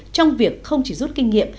trong việc không chỉ rút kinh nghiệm